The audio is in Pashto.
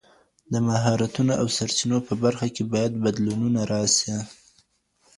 د مهارتونو او سرچینو په برخه کي باید بدلونونه راسي.